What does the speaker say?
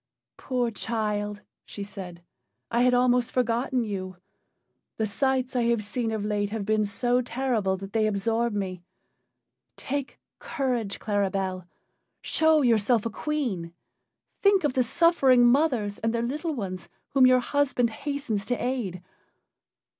"Poor child!" she said, "I had almost forgotten you. The sights I have seen of late have been so terrible that they absorb me. Take courage, Claribel! Show yourself a queen. Think of the suffering mothers and their little ones whom your husband hastens to aid.